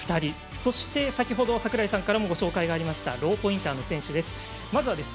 そして、先ほど櫻井さんからもご紹介がありましたローポインターの選手です。